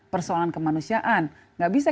persoalan kemanusiaan gak bisa